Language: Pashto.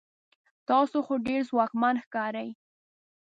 تاسو خو ډیر ځواکمن ښکارئ